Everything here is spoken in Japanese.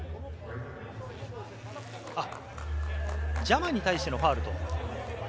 ジャマに対してのファウル？